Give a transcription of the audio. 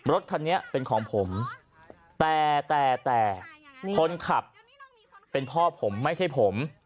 รถคันนี้เป็นของผมแต่แต่คนขับเป็นพ่อผมไม่ใช่ผม